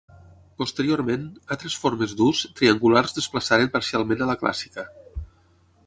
Posteriorment, altres formes d'ús, triangulars desplaçaren parcialment a la clàssica.